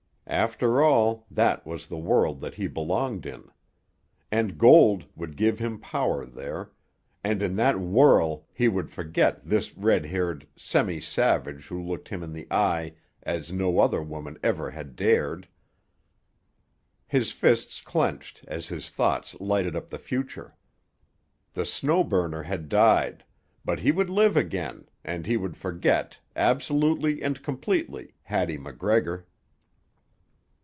After all, that was the world that he belonged in. And gold would give him power there, and in that whirl he would forget this red haired, semi savage who looked him in the eye as no other woman ever had dared. His fists clenched as his thoughts lighted up the future. The Snow Burner had died, but he would live again, and he would forget, absolutely and completely, Hattie MacGregor.